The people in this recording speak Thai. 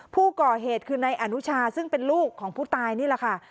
ผู้ก่อเหตุคือนายอนุชาซึ่งเป็นลูกของผู้ตายนี่แหละค่ะ